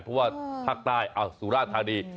เพราะว่าพักได้สุราธานี